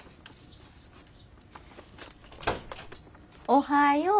おはよう。